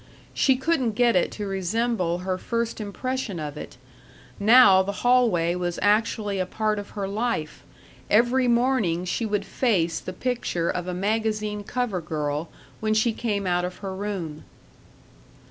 She couldn't get it to resemble her first impression of it. Now the hallway was actually a part of her life every morning she would face the picture of a magazine cover girl when she came out of her room.